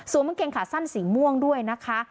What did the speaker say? ส่วนมันเก็บขาสั้นสีม่วงด้วยนะคะ